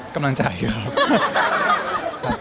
กำลังจ่ายครับ